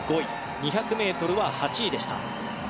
２００ｍは８位でした。